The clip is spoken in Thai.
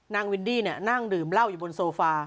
วินดี้นั่งดื่มเหล้าอยู่บนโซฟา